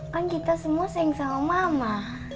ma kenapa kita semua sayang sama mama